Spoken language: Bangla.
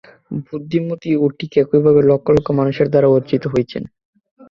বুদ্ধমূর্তিও ঠিক এইভাবেই লক্ষ লক্ষ মানুষের দ্বারা অর্চিত হইতেছেন।